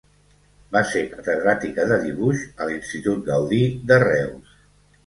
Va ser catedràtica de dibuix a l'Institut Gaudí de Reus.